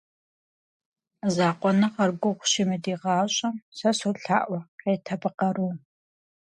Закъуэныгъэр гугъущи мы ди гъащӏэм, сэ солъаӏуэ — къет абы къару.